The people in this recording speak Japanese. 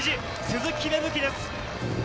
鈴木芽吹です。